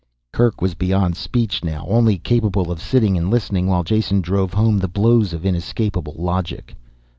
Kerk was beyond speech now, only capable of sitting and listening while Jason drove home the blows of inescapable logic.